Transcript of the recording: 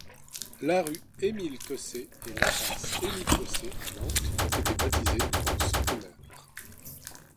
La rue Émile-Cossé et l'impasse Émile-Cossé à Nantes ont été baptisées en son honneur.